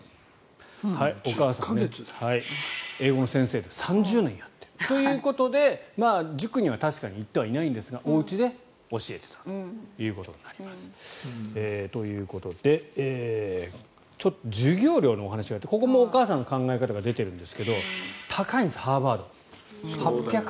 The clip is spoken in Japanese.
お母さん、英語の先生で３０年やっているということで塾には確かに行ってはいないんですがおうちで教えていたということになります。ということで授業料のお話があってここもお母さんの考え方が出てるんですがハーバード高いんです。